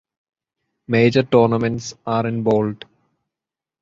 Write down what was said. Major tournaments are in bold.